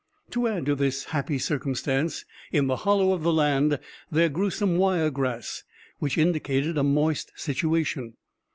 To add to this happy circumstance, in the hollow of the land there grew some wire grass, which indicated a moist situation.